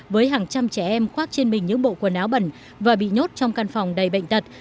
với hàng trăm trẻ em khoác trên mình những bộ quần áo bẩn và bị nhốt trong căn phòng đầy bệnh tật